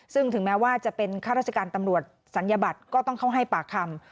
ซึ่งถึงแม้ว่าจะเป็นข้าราชการตำรวจศัลยบัตรก็ต้องเข้าให้ปากคำ